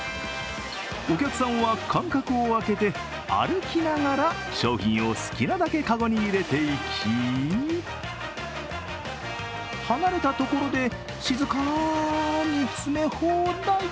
お客さんは間隔をあけて歩きながら商品を好きなだけかごに入れていき離れたところで静かに詰め放題。